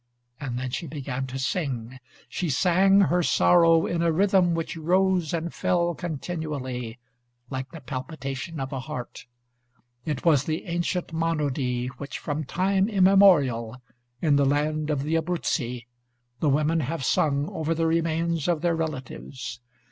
And then she began to sing. She sang her sorrow in a rhythm which rose and fell continually, like the palpitation of a heart. It was the ancient monody which from time immemorial, in the land of the Abruzzi, the women have sung over the remains of their relatives.